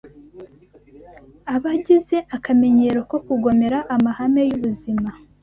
Abagize akamenyero ko kugomera amahame y’ubuzima